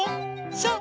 そう。